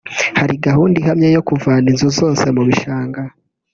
hari gahunda ihamye yo kuvana inzu zose mu bishanga